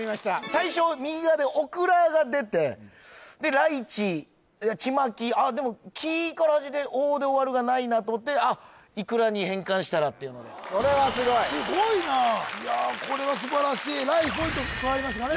最初右側でおくらが出てらいちちまきでも「き」から始まって「お」で終わるがないなと思っていくらに変換したらっていうのでこれはすごいすごいないやこれは素晴らしいライフポイント加わりましたからね